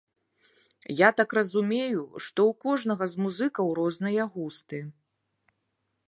Я так разумею, што ў кожнага з музыкаў розныя густы.